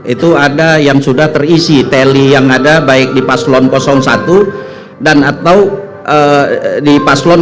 itu ada yang sudah terisi teli yang ada baik di paslon satu dan atau di paslon dua